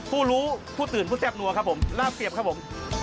ผู้รู้ผู้ตื่นผู้แซ่บนัวครับผมลาบเสียบครับผม